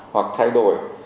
hoặc thay đổi